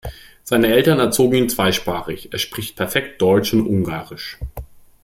Seine Eltern erzogen ihn zweisprachig: er spricht perfekt Deutsch und Ungarisch.